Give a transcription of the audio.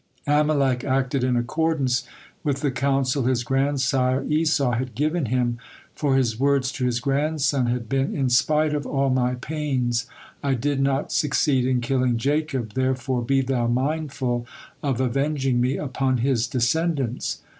Amalek acted in accordance with the counsel his grandsire Esau had given him, for his words to his grandson had been: "In spite of all my pains, I did not succeed in killing Jacob, therefore be thou mindful of avenging me upon his descendants."